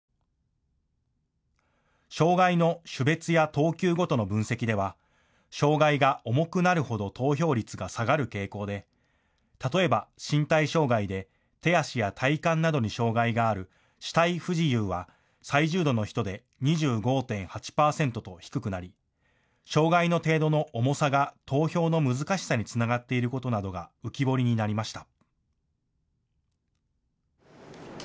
障害の種別や等級ごとの分析では障害が重くなるほど投票率が下がる傾向で例えば身体障害で手足や体幹などに障害がある肢体不自由は最重度の人で２５．８％と低くなり、障害の程度の重さが投票の難しさにつながっていることなどが浮き彫りになりました。